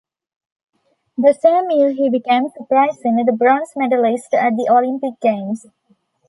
The same year he became, surprisingly, the bronze medallist at the Olympic Games.